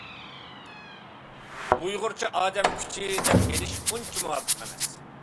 ئۇيغۇرچە ئادەم كۈچى دەپ ئېلىش ئۇنچە مۇۋاپىق ئەمەس.